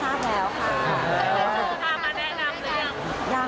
เจ้ามาแนะนำหรือยัง